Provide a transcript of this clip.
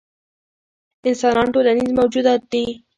انسانان ټولنیز موجودات دي.